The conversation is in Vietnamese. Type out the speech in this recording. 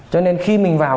cho nên khi mình vào